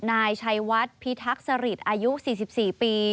นายชัยวัดพิทักษริตอายุ๔๔ปี